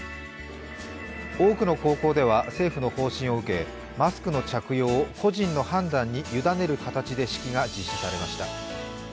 多くの高校では政府の方針を受け、マスクの着用を個人の判断に委ねる形で式が実施されました。